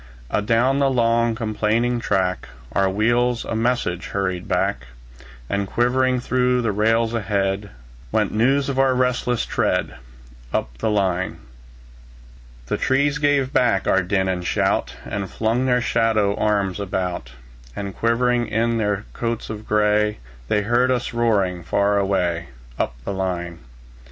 Adown the long, complaining track, Our wheels a message hurried back; And quivering through the rails ahead, Went news of our resistless tread, Up the line. The trees gave back our din and shout, And flung their shadow arms about; And shivering in their coats of gray, They heard us roaring far away, Up the line.